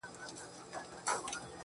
• چي سُجده پکي، نور په ولاړه کيږي.